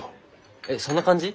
えっそんな感じ？